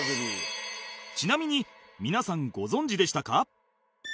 ちなみに皆さんご存じでしたか？